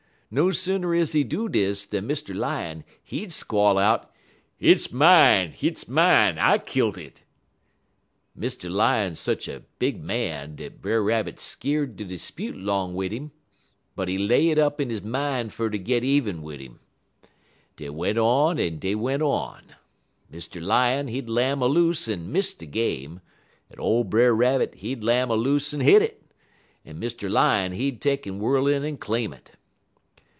No sooner is he do dis dan Mr. Lion, he'd squall out: "'Hit's mine! hit's mine! I kilt it!' "Mr. Lion sech a big man dat Brer Rabbit skeer'd ter 'spute 'long wid 'im, but he lay it up in he min' fer to git even wid 'im. Dey went on en dey went on. Mr. Lion, he'd lam aloose en miss de game, en ole Brer Rabbit, he'd lam aloose en hit it, en Mr. Lion, he'd take'n whirl in en claim it.